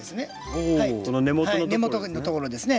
おこの根元のところですね？